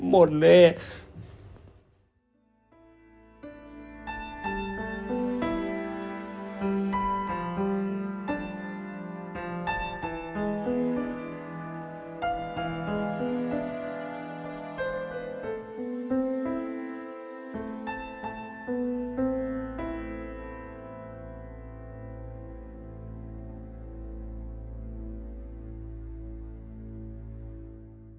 มีอาทิตย์มีหลักสมัน